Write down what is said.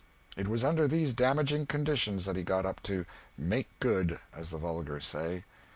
It was under these damaging conditions that he got up to "make good," as the vulgar say.